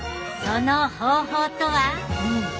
その方法とは。